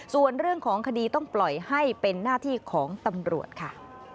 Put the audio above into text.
ส่วนเรื่องของคดีต้องปล่อยให้เป็นหน้าที่ของตำรวจค่ะ